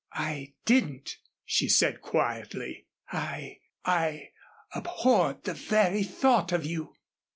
"I didn't," she said quietly, "I I abhorred the very thought of you."